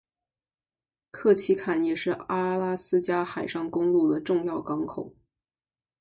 克奇坎也是阿拉斯加海上公路的重要港口。